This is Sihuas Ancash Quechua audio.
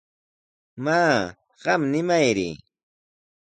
Maa, qam nimayri.